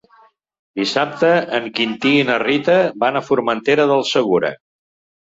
Dissabte en Quintí i na Rita van a Formentera del Segura.